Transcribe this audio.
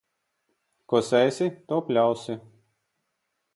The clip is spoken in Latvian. Ko sēsi, to pļausi.